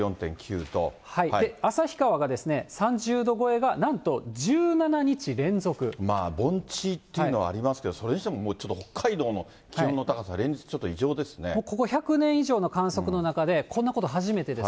で、旭川がですね、３０度超まあ、盆地っていうのはありますけど、それにしてもちょっと北海道の気温の高さ、連日、ちょここ１００年以上の観測の中で、こんなこと初めてです。